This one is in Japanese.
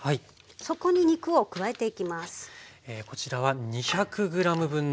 そこに肉を加えていきます。